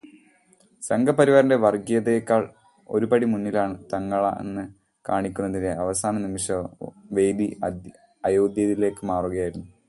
സംഘപരിവാറിന്റെ വര്ഗീയതയേക്കാള് ഒരുപടി മുന്നിലാണ് തങ്ങളെന്ന് കാണിക്കുന്നതിന് അവസാനനിമിഷം വേദി അയോദ്ധ്യയിലേക്ക് മാറ്റുകയായിരുന്നു.